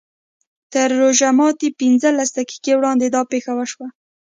تر روژه ماتي پینځلس دقیقې وړاندې دا پېښه وشوه.